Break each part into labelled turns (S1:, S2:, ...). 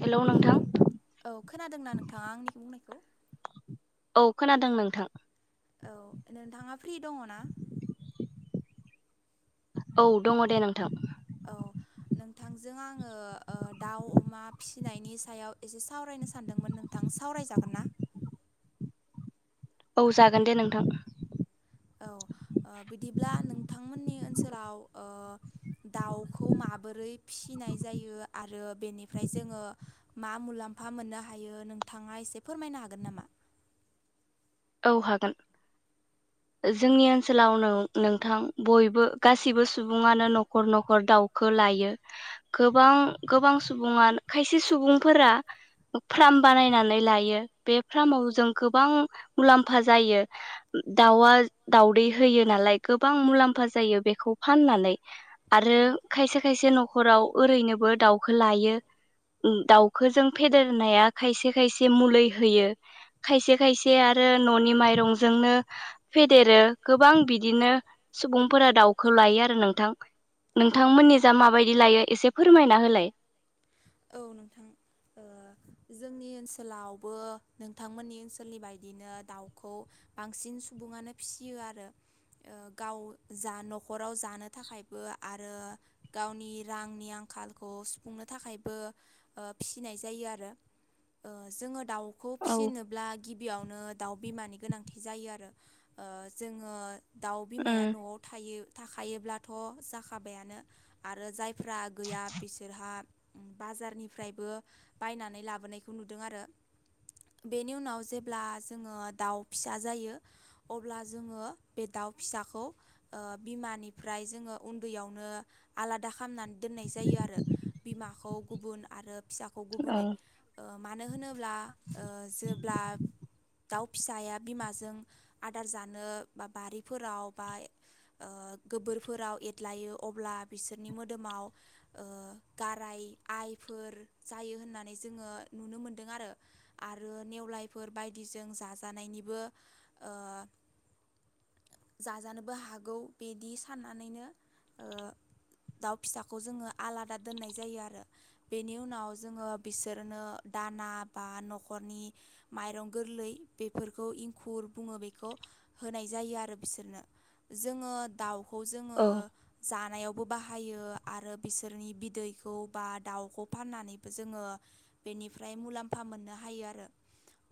S1: Hello
S2: ओ
S1: नोंथां
S2: नों औ खोनादोंना नोंथाङा आंनि बुंनायखौ
S1: औ खोनादों नोंथां
S2: औ नोंथाङा फ्रि दङ ना
S1: औ दङ दे नोंथां
S2: औ नोंथांजों आङो ओ दाउ अमा फिसिनायनि सायाव एसे सावरायनो सानदोंमोन थां सावराय जागोन
S1: औ जागोन दे नोंथां
S2: औ ओ बिदिब्ला नोंथांमोननि ओनसोलाव ओ दाउखौ माबोरै फिसिनाय जायो आरो बेनिफ्राय जोङो मा मुलाम्फा मोननो हायो नोंथाङा एसे फोरमायनो हागोन नामा
S1: औ हागोन
S2: [unintelligible]
S1: ओ जोंनि ओनसोलाव नो नोंथां बयबो गासिबो सुबुङानो न'खर न'खर दाउ खो लायो गोबां गोबां सुबुङा खायसे सुबुंफोरा फार्म बानायनानै लायो बे
S2: औ
S1: फार्माव जों गोबां मुलाम्फा जायो। दाउआ दाउदै होयो नालाय गोबां मुलाम्फा जायो बेखौ फाननानै।
S2: औ
S1: आरो खायसे खायसे न'खराव ओरैनोबो दाउखो लायो। उम दाउखो जों फेदेरनाया खायसे खायसे मुलै होयो। खायसे खायसे आरो न'नि माइरंजोंनो फेदेरो गोबां बिदिनो सुबुंफोरा दाउखो लायो आरो नोंथां।
S2: औ
S1: नोंथांमोननि जा माबायदि लायो एसे फोरमायना होलाय
S2: औ नोंथां ओ जोंनि ओनसोलावबो नोंथांमोननि ओनसोलनि बायदिनो दाउखौ बांसिन सुबुङानो फिसियो आरो ओ गाव जा न'खराव जानो थाखायबो आरो गावनि रांनि आंखालखौ सुफुंनो थाखायबो ओ फिसिनाय जायो आरो ओ जोङो दाउखौ
S1: औ
S2: फिसिनोब्ला गिबियावनो दाउ बिमानि गोनांथि जायो आरो ओ जोङो दाउ
S1: उम
S2: बिमाया न'आव थायो थाखायोब्लाथ' जाखाबायानो। आरो जायफ्रा गैया बिसोरहा बाजारनिफ्रायबो बायनानै लाबोनायखौ नुदों आरो। बेनि उनाव जेब्ला जोङो दाउ फिसा जायो। अब्ला जोङो बे दाउ फिसाखौ ओ बिमानिफ्राय जोङो उन्दैयावनो आलादा खालामनानै दोननाय जायो आरो। बिमाखौ गुबुन आरो फिसाखौ
S1: औ
S2: गुबुनै। ओ मानो होनोब्ला ओ जेब्ला दाउ फिसाया बिमाजों आदार जानो बा बारिफोराव बा ओ गोबोरफोराव एरदलायो अब्ला बिसोरनि मोदोमाव ओ गाराय आइफोर जायो होननानै जोङो नुनो मोनदों आरो। आरो नेवलायफोर बायदिजों जाजानायनिबो ओ जाजानोबो हागौ बिदि साननानैनो ओ दाउ फिसाखौ जोङो आलादा दोननाय जायो आरो। बेनि उनाव जोङो बिसोरनो दाना बा न'खरनि माइरं गोरलै बेफोरखौ इंखुर बुङो बेखौ होनाय जायो आरो बिसोरनो। जोङो दाउखौ जोङो
S1: औ
S2: जानायावबो बाहायो आरो बिसोरनि बिदैखौ बा दाउखौ फाननानैबो जोङो बेनिफ्राय मुलाम्फा मोननो हायो आरो।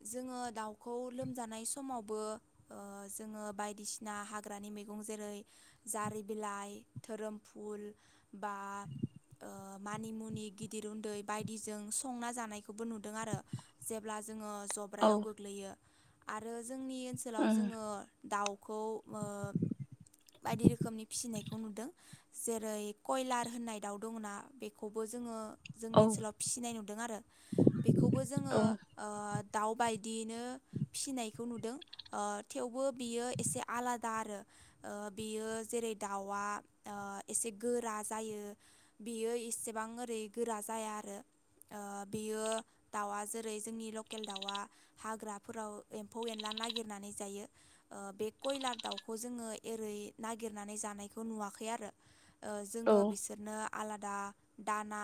S2: जोङो दाउखौ लोमजानाय समावबो ओ जोङो बायदिसिना हाग्रानि मैगं जेरै जारि बिलाइ धोरोम फुल बा ओ मानि मुनि गिदिर उन्दै बायदिजों संना जानायखौबो नुदों आरो। जेब्ला जोङो
S1: औ
S2: जब्रायाव गोग्लैयो आरो जोंनि ओनसोलाव
S1: उम
S2: जोङो दाउखौ ओ बायदि रोखोमनि फिसिनायखौ नुदों जेरै कयलार होननाय दाउ दंङोना बेखौबो जोङो जोंनि
S1: औ
S2: ओनसोलाव फिसिनाय नुदों आरो बेखौबो जोङो
S1: औ
S2: ओ दाउ बायदियैनो फिसिनायखौ नुदों ओ थेवबो बियो एसे आलादा आरो। ओ बेयो जेरै दाउआ ओ एसे गोरा जायो। बेयो एसेबां ओरै गोरा जाया आरो। ओ बेयो दाउआ जेरै जोंनि लकेल दाउआ हाग्राफोराव एम्फौ एनला नागिरनानै जायो। ओ बे कयलार दाउखौ जोङो एरै नागिरनानै जानायखौ नुवाखै आरो। ओ
S1: औ
S2: जोङो बिसो नो आलादा दाना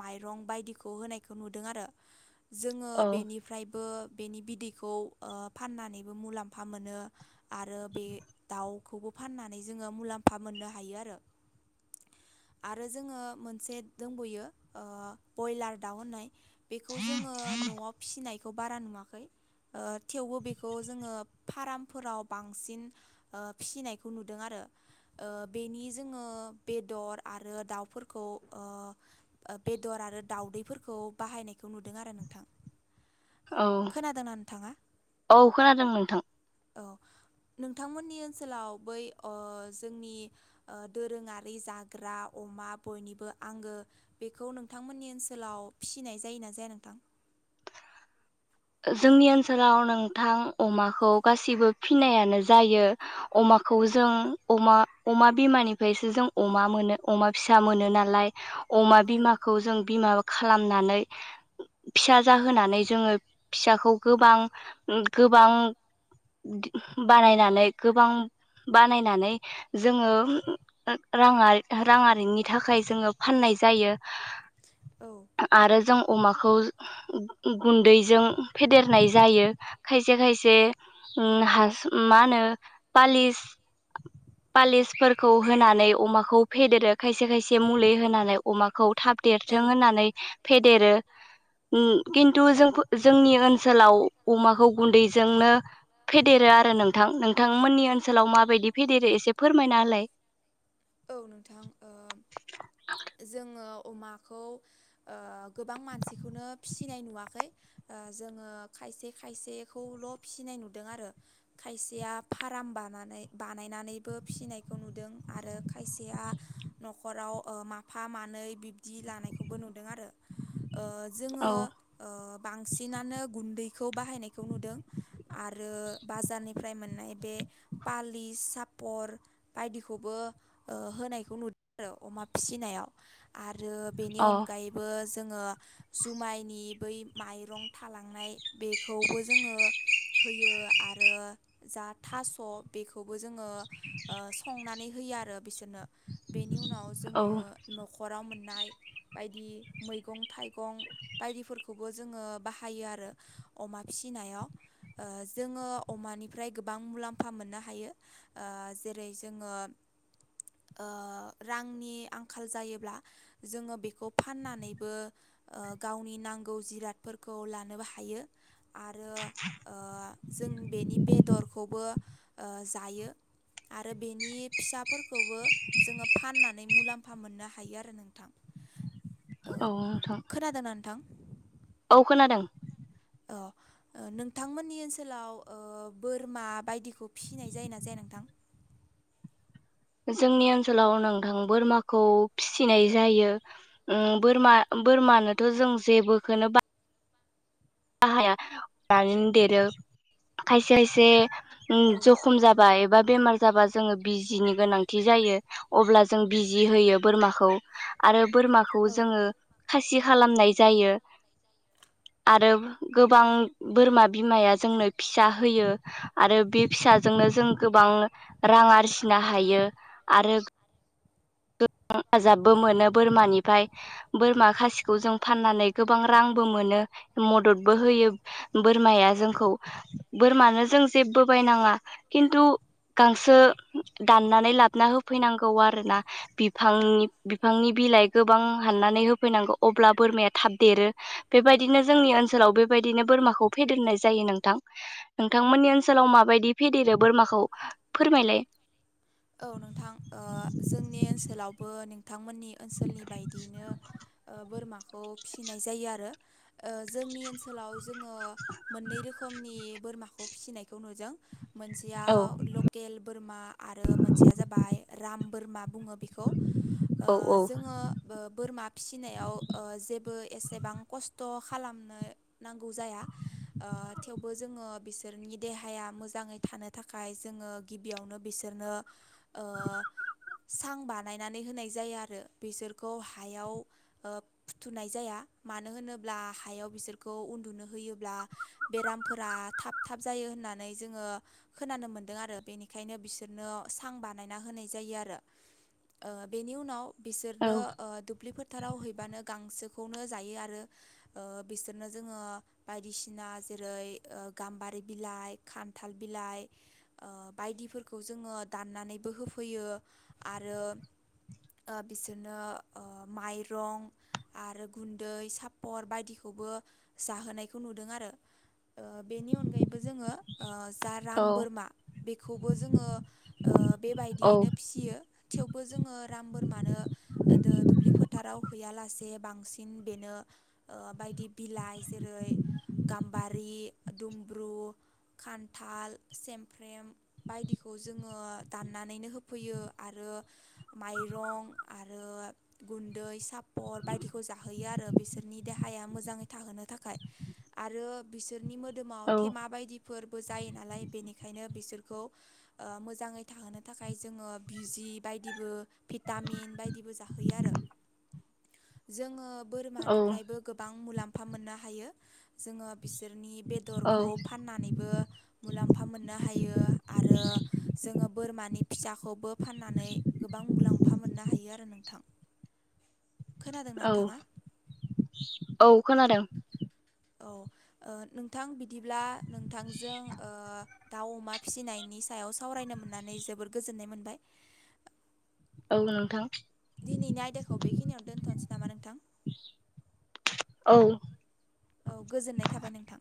S2: माइरं बायदिखौ होनायखौ नुदों। आरो जोङो
S1: औ
S2: बेनिफ्रायबो बेनि बिदैखौ ओ फाननानैबो मुलाम्फा मोनो। आरो बे दाउखौबो फाननानै जोङो मुलाम्फा मोननो हायो आरो। आरो जोङो मोनसे दंबोयो ओ बयलार दाउ होननाय। बेखौ जोङो न'आव फिसिनायखौ बारा नुवाखै। थेवबो बेखौ जोङो फार्मफोराव बांसिन ओ फिसिनायखौ नुदों आरो ओ बेनि जोङो बेदर आरो दाउफोरखौ ओ ओ बेदर आरो दाउदैफोर खौ बाहायनायखौ नुदों आरो नोंथां।
S1: औ
S2: खोनादोंना नोंथाङा?
S1: औ खोनादों नोंथां
S2: औ। नोंथांमोननि ओनसोलाव बै ओ जोंनि ओ दोरोङारि जा ग्रा अमा बयनिबो आंगो बेखौ नोंथांमोननि ओनसोलाव फिसिनाय जायोना जाया नोंथां?
S1: जोंनि ओनसोलाव नोंथां अमाखौ गासैबो फिनायानो जायो। अमाखौ जों अमा अमा बिमानिफायसो जों अमा मोनो अमा फिसा मोनो नालाय। अमा
S2: औ
S1: बिमाखौ जों बिमा खालामनानै फिसा जाहोनानै जोङो फिसाखौ गोबां गोबां बानायनानै गोबां बानायनानै जोङो राङारि राङारिनि थाखाय जोङो फाननाय जायो।
S2: औ।
S1: आरो जों अमाखौ गुन्दैजों फेदेरनाय जायो। खायसे खायसे हास मा होनो पालिस पालिसफोरखौ होनानै अमाखौ फेदेरो खायसे खायसे मुलि होनानै अमाखौ थाब
S2: औ
S1: देरथों होननानै फेदेरो। खिन्थु जोंफो जों जोंनि ओनसोलाव अमाखौ गुन्दैजोंनो फेदेरो आरो नोंथां। नोंथां मोननि ओन ओनसोलाव माबायदि फेदेरो एसे फोरमायना होलाय।
S2: औ नोंथां। ओ जोङो अमाखौ गोबां मानसिखौनो फिसिनाय नुवाखै। जोङो खायसे खायसेखौल' फिसिनाय नुदों आरो। खायसेया फारेम बानानै बानायनानैबो फिसिनायखौ नुदों आरो खायसेया न'खराव मा माफा मानै बिब्दि लानायखौबो नुदों आरो जोङो
S1: औ
S2: बांसिनानो गुन्दै खौ बाहायनायखौ नुदों आरो बाजारनिफ्राय मोननाय बे पालि, सापर बायदिखौबो होनायखौ नुदों आरो अमा फिसि नायाव आरो बेनि
S1: अ
S2: अनगायैबो जोङो जुमायनि बै माइरं थालांनाय बेखौबो जोङो होयो आरो जा थास' बेखौबो जोङो संनानै होयो आरो बिसोरनो। बेनि उनाव
S1: औ
S2: जोङो न'खराव मोननाय बायदि मैगं थाइगं बायदिफोरखौबो जोङो बाहायो आरो। अमा फिसिनायाव जोङो अमानिफ्राय गोबां मुलाम्फा मोननो हायो। जेरै जोङो रांनि आं खाल जायोब्ला जोङो बेखौ फाननानैबो गावनि नांगौ जिरादफोरखौ लानोबो हायो आरो जों बेनि बेदरखौबो जायो। आरो बेनि फिसाफोरखौबो जोङो फाननानै मुलाम्फ फा मोननो हायो आरो नोंथां। ओ
S1: औ नोंथां
S2: खोनादोंना नोंथां
S1: औ खोनादों।
S2: अ ओ नोंथांमोननि ओनसोलाव ओ बोरमा बायदिखौ फिसिनाय जायोना जाया नोंथां?
S1: जोंनि ओनसोलाव नोंथां बोरमाखौ फिसिनाय जायो। उम बोरमा बोरमानोथ' जों जेबोखौनो बा बाहायानानै देरो खायसे खायसे
S2: औ
S1: जखम जा बाय बा एबा बेमार जाबा जोङो बिजिनि गोनांथि जायो अब्ला जों बिजि होयो बोरमाखौ। आरो बोरमाखौ
S2: औ
S1: जोङो खासि खालामनाय जायो आरो गोबां बोरमा बिमाया जोंनो फिसा होयो। आरो बे फिसाजोंनो जों गोबां रां आरजिनो हायो आरो गोबां हेफाजाबबो मोनो बोरमानिफ्राय। बोरमा खासिखौ जों फाननानै गोबां रांबो मोनो मददबो होयो। बोरमाया जोंखौ बोरमानो जों जेबो बायनाङा खिन्थु गांसो दाननानै लाबना होफैनांगौ आरोना
S2: औ
S1: बिफांनि बिफांनि बिलाइ गोबां हाननानै होफैनांगौ अब्ला बोरमाया थाब देरो। बेबायदिनो जोंनि ओनसोलाव बेबायदिनो बोरमाखौ फेदेरनाय जायो नोंथां। नोंथांमोननि ओनसोलाव माबायदि फेदेरो बोरमाखौ फोरमायलाय?
S2: औ नोंथां ओ जोंनि ओनसोलावबो नोंथांमोननि ओनसोलनि बायदियैनो ओ बोरमाखौ फिसिनाय जायो आरो ओ जोंनि ओनसोलाव जोंङो मोननै रोखोमनि बोरमाखौ फिसिनायखौ नुजों
S1: औ
S2: मोनसेयाव लकेल बोरमा आर रो मोनसेया जाबाय राम बोरमा बुङो बेखौ ओ
S1: औ औ
S2: जोंङो ओ बोरमा फिसिनायाव ओ जेबो एसेबां खस्थ' खालामनो नांगौ जाया। ओ थेवबो जोंङो बिसोरनि देहाया मोजांङै थानो थाखाय जोंङो गिबियावनो बिस सोरनो ओ सां बार बानायनानै होनाय जायो आरो बिसोरखौ हायाव ओ‌ फुथुनाय जाया मानो होनोब्ला हायाव बिसोरखौ उन्दुनो होयोब्ला बेरामफोरा थाब थाब जायो होननानै जोङो खोनानो मोन्दों आरो बेनिखायनो बिस सोरनो सां बानायना होनाय जायो आरो ओ बेनि उनाव
S1: औ
S2: बिसोरनो ओ दुब ब्लि फोथाराव हैबानो गांसोखौनो जायो आरो ओ बिसोरनो जोङो बायदिसिना जेरै ओ गाम्बारि बिलाइ, खान्थाल बिलाइ ओ बायदिफोरखौ जोंङो दाननानैबो होफैयो आरो ओ बिसोरनो ओ माइरं आरो गुन्दै सापर बायदिखौबो जाहोनायखौ नुदों आरो ओ बेनि अनगायैबो जोंङो ओ जार राम बोरमा बेखौबो जोंङो ओ
S1: औ
S2: बेबायदियैनो फि सियो थेवबो जोंङो राम बोरमानो ओ दो दुब्लि फोथाराव हैयालासे बांसिन बेनो ओ बायदि बिलाइ जेरै गाम्बारि ओ दुमब्रु, खान्थाल, सेमफ्रेम बायदिखौ जोंङो दाननानैनो होफैयो आरो माइरं आरो गुन्दै, सापर बायदिखौ जाहोयो आरो बिसोरनि देहाया मोजांङै थाहोनो थाखाय। आरो बिसोरनि मोदोमाव
S1: औ
S2: थेमा बायदिफोरबो जायो नालाय बेनिखायनो बिसोर खौ ओ मोजांङै थाहोनो थाखाय जोंङो बिजि बायदिबो भिटामिन बायदिबो जाहोयो आरो जोंङो
S1: औ
S2: बोरमानिफ्रायबो। गोबां मुलाम्फा मोननो हायो जोंङो बिसोरनि
S1: औ
S2: बेदरखौ। फाननानैबो मुलाम्फा मोननो हायो आरो जोंङो बोरमानि। फिसाखौबो फाननानै गोबां मुलाम्फा मोननो हायो आरो नोंथां। खोनादों ना
S1: औ
S2: नोंथांङा?
S1: औ खोनादों
S2: औ नोंथां बिदिब्ला नोंथांजों दाउ अमा। फिसिनायनि सायाव सावरायनो मोननानै जोबोर गोजोननाय मोनबाय।
S1: औ नोंथां
S2: दिनैनि आयदाखौ बेखिनियावनो दोनथ'नोसै नामा नोंथां?
S1: औ
S2: औ गोजोननाय थाबाय नोंथां।